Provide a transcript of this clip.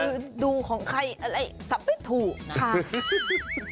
สนเลยดูของใครอะไรตับไม่ถูกนะ